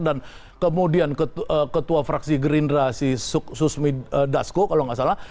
dan kemudian ketua fraksi gerindra si susmi dasko kalau nggak salah